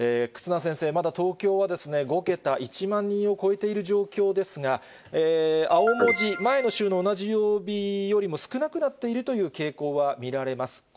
忽那先生、まだ東京は５桁、１万人を超えている状況ですが、青文字、前の週の同じ曜日よりも少なくなっているという傾向は見られます。